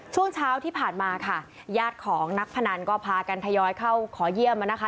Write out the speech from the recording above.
ช่วงเช้าที่ผ่านมาค่ะญาติของนักพนันก็พากันทยอยเข้าขอเยี่ยมนะคะ